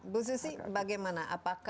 bu susi bagaimana